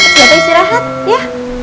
siap siap istirahat ya